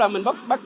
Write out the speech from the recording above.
có mình về gấp ra